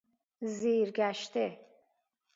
زیر گشته